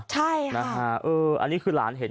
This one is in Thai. ใช่ค่ะนะฮะอันนี้คือหลานเห็น